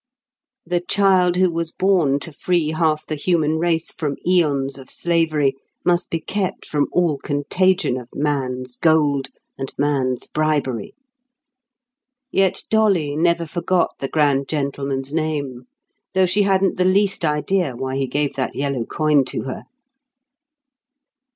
The child who was born to free half the human race from æons of slavery must be kept from all contagion of man's gold and man's bribery. Yet Dolly never forgot the grand gentleman's name, though she hadn't the least idea why he gave that yellow coin to her.